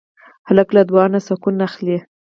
هلک له دعا نه سکون اخلي.